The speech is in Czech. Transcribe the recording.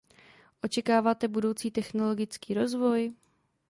Očekáváte budoucí technologický rozvoj?